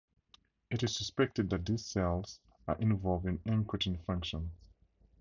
It is suspected that these cells are involved in incretin functions.